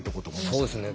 そうですね。